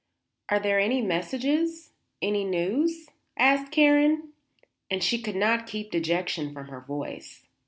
"Are there any messages? any news?" asked Karen, and she could not keep dejection from her voice.